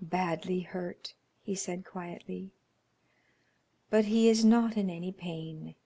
"Badly hurt," he said, quietly, "but he is not in any pain."